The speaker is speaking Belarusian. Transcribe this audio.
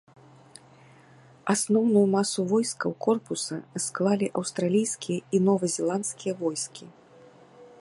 Асноўную масу войскаў корпуса склалі аўстралійскія і новазеландскія войскі.